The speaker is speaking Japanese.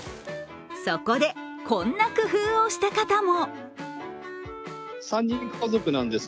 そこで、こんな工夫をした方も。